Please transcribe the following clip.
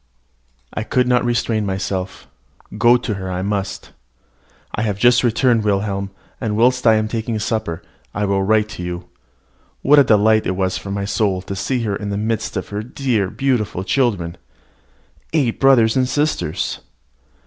I could not restrain myself go to her I must. I have just returned, Wilhelm; and whilst I am taking supper I will write to you. What a delight it was for my soul to see her in the midst of her dear, beautiful children, eight brothers and sisters!